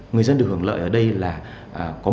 người dân được hưởng lợi ở đây là có một cái môi trường